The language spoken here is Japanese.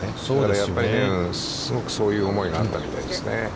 やっぱりね、すごくそういう思いがあったみたいですね。